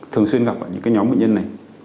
thường xuyên gặp ở những cái nhóm bệnh nhân này